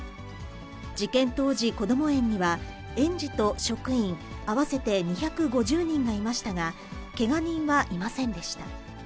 事件当時、子ども園には園児と職員合わせて２５０人がいましたが、けが人はいませんでした。